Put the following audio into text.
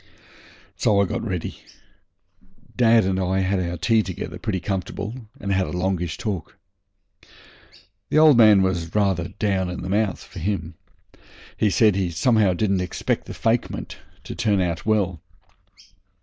So I got ready. Dad and I had our tea together pretty comfortable, and had a longish talk. The old man was rather down in the mouth for him. He said he somehow didn't expect the fakement to turn out well.